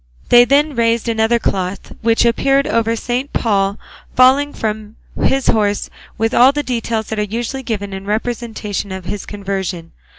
They then raised another cloth which it appeared covered Saint Paul falling from his horse, with all the details that are usually given in representations of his conversion.